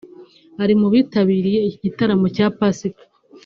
ari mu bitabiriye iki gitaramo cya Pasika